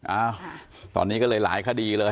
อ้าวตอนนี้ก็เลยหลายคดีเลย